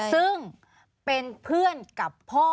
ซึ่งเป็นเพื่อนกับพ่อ